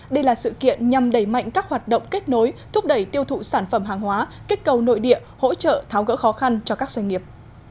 đây là sự kiện nhằm đẩy mạnh các hoạt động kết nối thúc đẩy tiêu thụ sản phẩm hàng hóa kích cầu nội địa hỗ trợ tháo gỡ khó khăn cho các doanh nghiệp